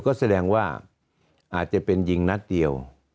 ก็แสดงว่าอาจจะเป็นยิงนัดเดียว